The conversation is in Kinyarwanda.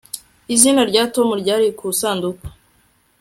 Izina rya Tom ryari ku gasanduku